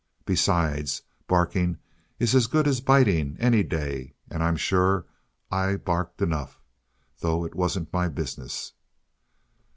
Besides, barking is as good as biting, any day, and I'm sure I barked enough, though it wasn't my business.